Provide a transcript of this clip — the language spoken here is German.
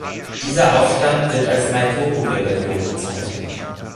Dieser Aufstand wird als Meitoku-Rebellion bezeichnet.